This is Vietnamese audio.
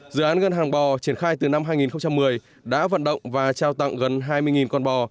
dự án ngân hàng bò triển khai từ năm hai nghìn một mươi đã vận động và trao tặng gần hai mươi con bò